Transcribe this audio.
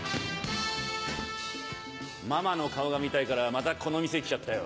ママの顔が見たいからまたこの店来ちゃったよ。